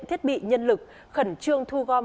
thiết bị nhân lực khẩn trương thu gom